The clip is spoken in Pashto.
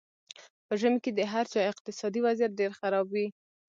په ژمي کې د هر چا اقتصادي وضیعت ډېر خراب وي.